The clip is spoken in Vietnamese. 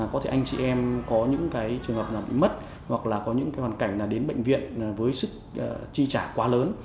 có thể anh chị em có những cái trường hợp bị mất hoặc là có những cái hoàn cảnh đến bệnh viện với sức chi trả quá lớn